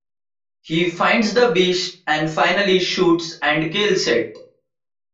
He finds the beast and finally shoots and kills it.